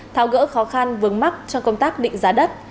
tháo gỡ khó khăn vướng mắc trong công tác định giá đất